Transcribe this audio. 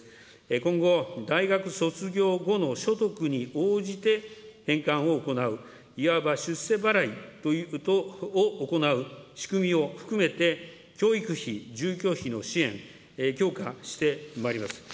今後、大学卒業後の所得に応じて、返還を行う、いわば出世払いを行う仕組みを含めて、教育費、住居費の支援、強化してまいります。